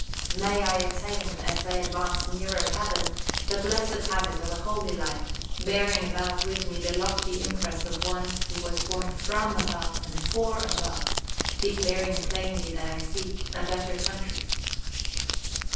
May I attain, as I advance nearer heaven, the blessed habit of a holy life, bearing about with me the lofty impress of one who is born from above and for above, declaring plainly that I seek "a better country."